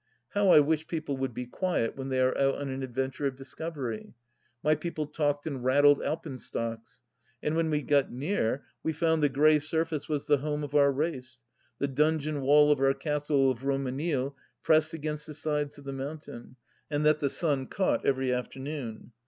How I wish people would be quiet when they are out on an ad venture of discovery ! My people talked and rattled alpen stocks. ... And when we got near we found the grey surface was the home of our race, the donjon wall of our castle of Romanille pressed against the sides of the mountain, and that the sun caught every afternoon.